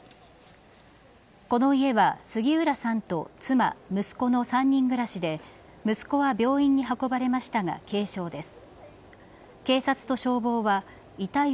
この家は杉浦さんと妻息子の３人暮らしで息子は病院に運ばれましたが軽傷です。